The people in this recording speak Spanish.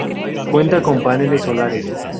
Cuenta con paneles solares.